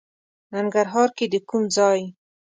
ننګرهار کې د کوم ځای؟